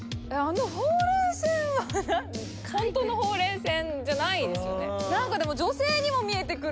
ほうれい線は本当のほうれい線じゃないですよね。